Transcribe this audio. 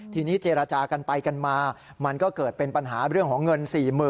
ทีนี้เจรจากันไปกันมามันก็เกิดเป็นปัญหาเรื่องของเงิน๔๐๐๐